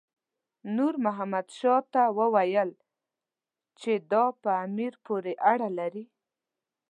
نور محمد شاه ته وویل چې دا په امیر پورې اړه لري.